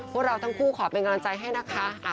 พวกเราทั้งคู่ขอเป็นกำลังใจให้นะคะ